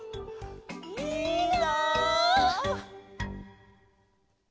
いいなあ！